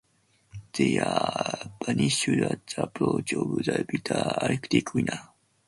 They are banished at the approach of the bitter arctic winter.